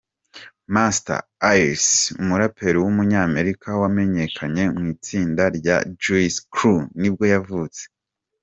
Masta Ace, umuraperi w’umunyamerika wamenyekanye mu itsinda rya Juice Crew nibwo yavutse.